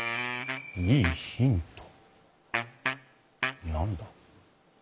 いいヒント何だ？